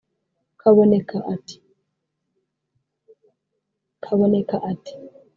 Kaboneka ati